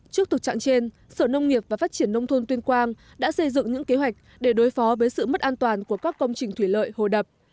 trước thực trạng trên sở nông nghiệp và phát triển nông thôn tuyên quang đã xây dựng những kế hoạch để đối phó với sự mất an toàn của các công trình thủy lợi hồ đập